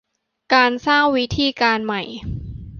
การสร้างวิธีการใหม่